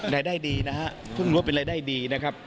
รายได้ดีนะคะพบงว่าเป็นอะไรได้ดีนะครับ